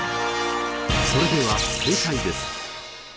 それでは正解です。